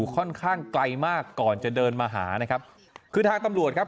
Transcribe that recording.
ค่อนข้างไกลมากก่อนจะเดินมาหานะครับคือทางตำรวจครับ